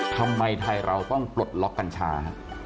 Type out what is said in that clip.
ทำไมไทยเราต้องปลดล็อกกัญชา